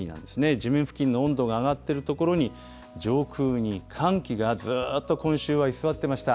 地面付近の温度が上がっているところに、上空に寒気がずっと今週は居座っていました。